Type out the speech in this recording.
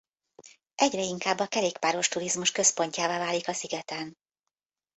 Egyre inkább a kerékpáros turizmus központjává válik a szigeten.